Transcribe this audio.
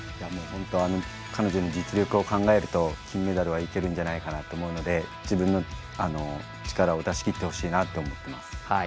本当、彼女の実力を考えると金メダルはいけるんじゃないかと思うので自分の力を出し切ってほしいと思っています。